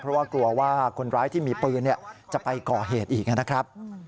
เพราะว่ากลัวว่าคนร้ายที่มีปืนจะไปก่อเหตุอีกนะครับ